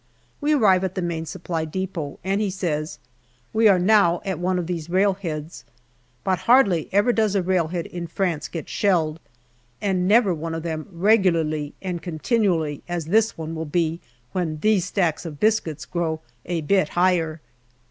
We arrive at the Main Supply depot, and he says :" We are now at one of these railheads, but hardly ever does a railhead in France get shelled, and never one of them regularly and continually, as this one will be when these stacks of biscuits grow a bit higher."